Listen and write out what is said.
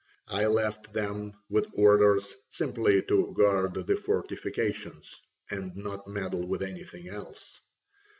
I left them with orders simply to guard the fortifications and not meddle with anything else.